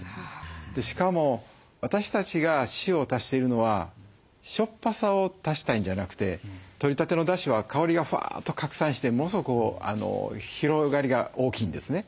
しかも私たちが塩を足しているのはしょっぱさを足したいんじゃなくてとりたてのだしは香りがふわっと拡散してものすごく広がりが大きいんですね。